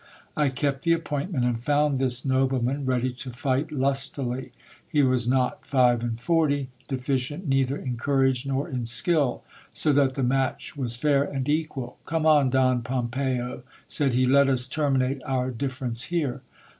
I kept the appointment, and found this nobleman ready to fight lustily. He was not five and forty ; deficient neither in courage nor in skill : so that the match was fair and equal. Come on, Don Pompeyo, said he, let us terminate our differ ence here.